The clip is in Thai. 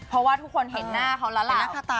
เพราะว่าทุกคนเห็นหน้าเขาแล้วเหล่า